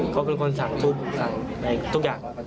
เขาเป็นคนสั่งทุกอย่าง